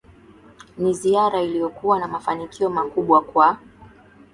Ni ziara iliyokuwa na mafanikio makubwa Kwa